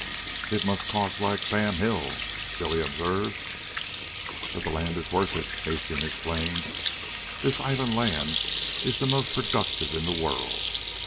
"It must cost like Sam Hill," Billy observed. "But the land is worth it," Hastings explained. "This island land is the most productive in the world.